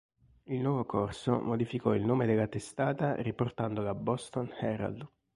Il nuovo corso modificò il nome della testata riportandola a Boston Herald.